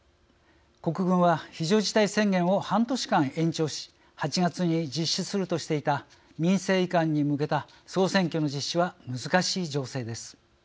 国軍は非常事態宣言を半年間延長し８月に実施するとしていた民政移管に向けた総選挙の実施は難しい情勢です。